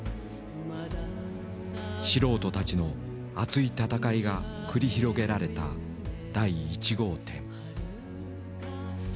素人たちの熱い闘いが繰り広げられた第１号店。